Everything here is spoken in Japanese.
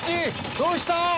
どうした？